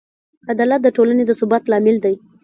عدالت د ټولنې د ثبات لامل دی.